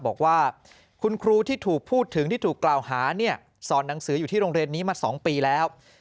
บอกว่าคุณครูที่ถูกพูดถึงที่ถูกกล่าวหาเนี่ยสอนหนังสืออยู่ที่โรงเรียนนี้มา๒ปีแล้ว